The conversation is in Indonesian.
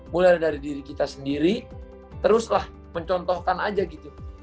mulai dari diri kita sendiri teruslah mencontohkan aja gitu